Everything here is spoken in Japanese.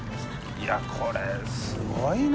いやこれすごいな。